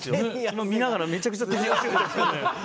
今見ながらめちゃくちゃ手に汗かいて。